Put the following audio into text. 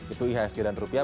itu ihsg dan rupiah